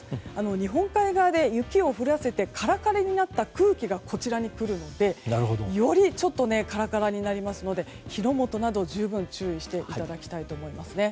日本海側で雪を降らせてカラカラになった空気がこちらに来るのでよりカラカラになりますので火の元などに十分注意していただきたいと思います。